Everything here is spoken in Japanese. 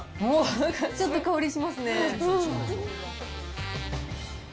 ちょっと香りしますね。